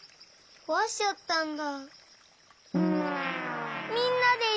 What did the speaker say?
こわしちゃったんだ。